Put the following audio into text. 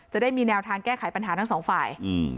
จะได้มีแนวทางแก้ไขปัญหาทั้งสองฝ่าย